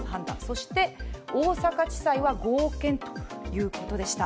そして大阪地裁は合憲ということでした。